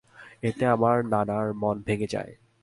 এতে আমার নানার মন ভেঙ্গে যায়।